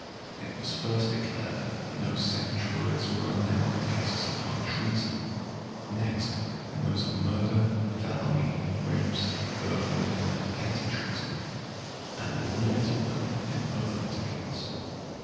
It was first declared, that no sanctuaries were allowed in cases of high treason;[] next, in those of murder, felony, rapes, burglary, and petty treason:[] and it limited them in other particulars.